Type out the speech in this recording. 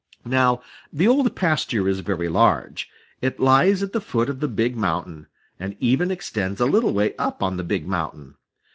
Now the Old Pasture is very large. It lies at the foot of the Big Mountain, and even extends a little way up on the Big Mountain.